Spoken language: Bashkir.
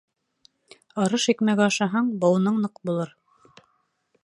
Арыш икмәге ашаһаң, быуының ныҡ булыр.